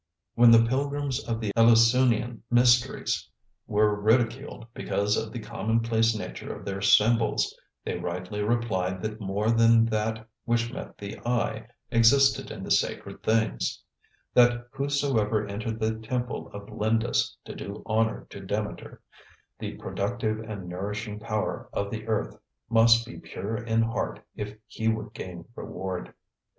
When the pilgrims to the Eleusinian mysteries were ridiculed because of the commonplace nature of their symbols, they rightly replied that more than that which met the eye existed in the sacred things; that whosoever entered the temple of Lindus, to do honor to Demeter, the productive and nourishing power of the earth, must be pure in heart if he would gain reward.